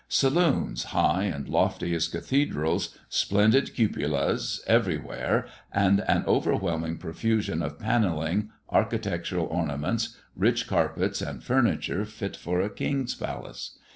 Saloons, high and lofty as cathedrals, splendid cupolas everywhere, and an overwhelming profusion of panelling, architectural ornaments, rich carpets and furniture, fit for a king's palace.